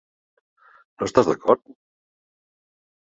No estàs d'acord?